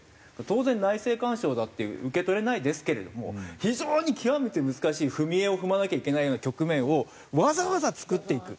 当然内政干渉だって受け取れないですけれども非常に極めて難しい踏み絵を踏まなきゃいけないような局面をわざわざ作っていく。